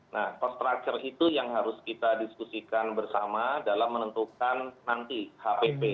nah cost structure itu yang harus kita diskusikan bersama dalam menentukan nanti hpp